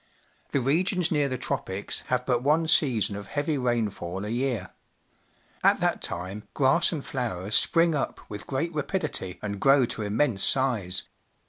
The regions near the Tropics have but one season of heavy rainfall a year. At that time grass and flowers spring up with great rapid ity and grow to immense size.